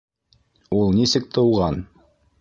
Ул нисек тыуған?